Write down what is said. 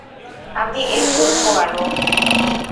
আমি Hercule Poirot!